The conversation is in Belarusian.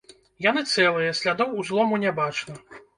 Яны цэлыя, слядоў узлому не бачна.